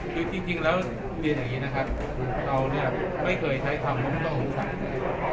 ดูจริงแล้วเรียนอย่างนี้นะคะเราเนี่ยไม่เคยใช้คำพร้อมต้องงุศัพท์